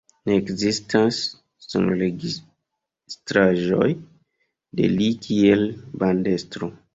Ne ekzistas sonregistraĵoj de li kiel bandestro.